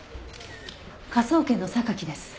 科捜研の榊です。